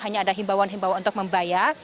hanya ada himbawan himbawan untuk membayar